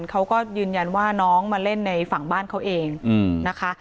เขาก็ยืนยันว่าน้องมาเล่นในฝั่งบ้านเขาเองนะคะ